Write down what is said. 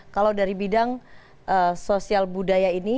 kalau dari bidang sosial budaya ini